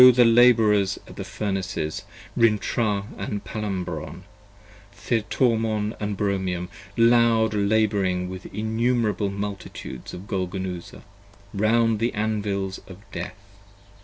the Labourers at the Furnaces, 5 Rintrah & Palamabron, Theotormon & Bromion, loud lab'ring With the innumerable multitudes of Golgonooza, round the Anvils Of Death.